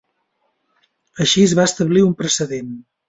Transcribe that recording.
Així, es va establir un precedent.